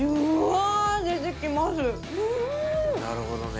なるほどね。